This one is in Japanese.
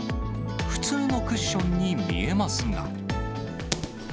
普通のクッションに見えますが。